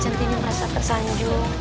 centini merasa tersanjung